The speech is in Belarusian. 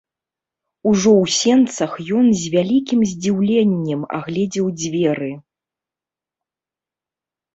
Ужо ў сенцах ён з вялікім здзіўленнем агледзеў дзверы.